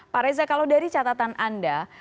pak reza kalau dari catatan anda